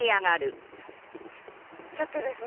ちょっとですね